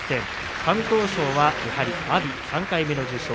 敢闘賞はやはり阿炎、３回目の受賞。